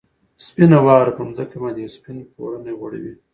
سپینه واوره پر مځکه باندې یو سپین پړونی غوړوي.